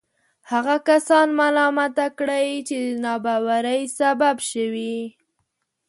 هغه کسان ملامته کړي چې د ناباورۍ سبب شوي.